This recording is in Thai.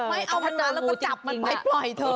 ไม่เอามันนานแล้วก็จับมันไปปล่อยเธอ